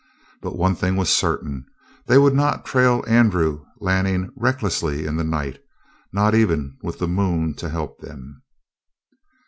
But one thing was certain they would not trail Andrew Lanning recklessly in the night, not even with the moon to help them.